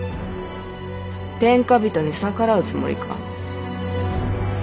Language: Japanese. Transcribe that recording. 天下人に逆らうつもりか。